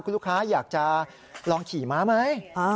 คุณลูกค้าอยากจะลองขี่ม้าไหม